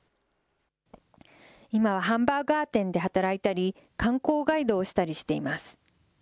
今はハンバーガー店で働いたり、観光ガイドをしたりしています。